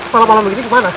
malam malam begini kemana